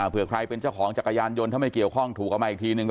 เพื่อใครเป็นเจ้าของจักรยานยนต์ถ้าไม่เกี่ยวข้องถูกเอามาอีกทีนึง